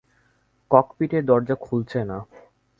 ককপিটের দরজা খুলছে না।